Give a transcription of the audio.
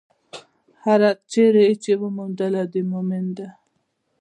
هره چېرې يې چې وموندله، د مؤمن ده.